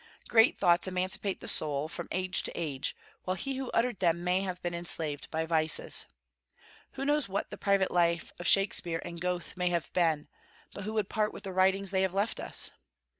Great thoughts emancipate the soul, from age to age, while he who uttered them may have been enslaved by vices. Who knows what the private life of Shakspeare and Goethe may have been, but who would part with the writings they have left us?